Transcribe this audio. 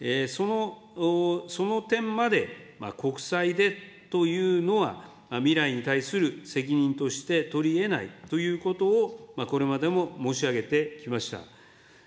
その点まで国債でというのは、未来に対する責任として取りえないということをこれまでも申し上げてきました。